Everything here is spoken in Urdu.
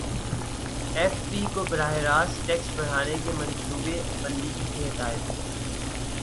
ایف بی کو براہ راست ٹیکس بڑھانے کی منصوبہ بندی کی ہدایت